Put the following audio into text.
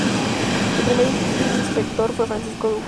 Su primer inspector fue Francisco Duque.